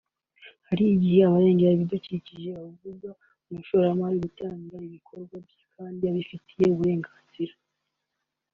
hari igihe abarengera ibidukikije babuza umushoramari gutangira ibikorwa bye kandi abifitiye uburenganzira”